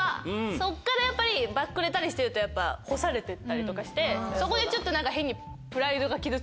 そっからやっぱりバックレたりしてると干されてったりとかしてそこでちょっと何か変に。